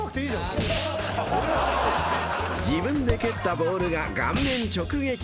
［自分で蹴ったボールが顔面直撃］